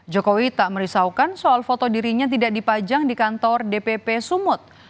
jokowi tak merisaukan soal foto dirinya tidak dipajang di kantor dpp sumut